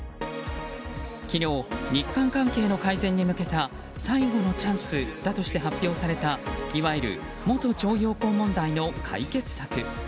昨日、日韓関係の改善に向けた最後のチャンスだとして発表されたいわゆる元徴用工問題の解決策。